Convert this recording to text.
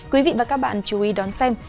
quý vị và các bạn chú ý đón xem